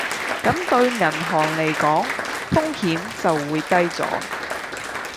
咁對銀行嚟講風險就會低左